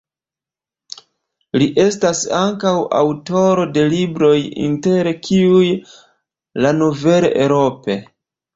Li estas ankaŭ aŭtoro de libroj inter kiuj "La nouvelle Europe.